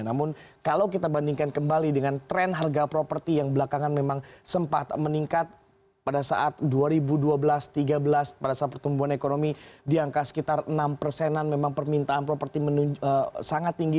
namun kalau kita bandingkan kembali dengan tren harga properti yang belakangan memang sempat meningkat pada saat dua ribu dua belas dua ribu tiga belas pada saat pertumbuhan ekonomi di angka sekitar enam persenan memang permintaan properti sangat tinggi